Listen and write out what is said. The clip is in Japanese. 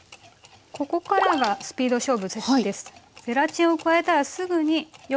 ここからがスピード勝負です。